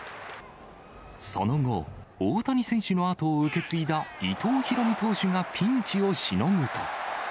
その後、大谷選手の後を受け継いだ伊藤大海投手がピンチをしのぐと。